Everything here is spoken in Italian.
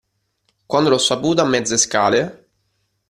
Quando l'ho saputo a mezze scale.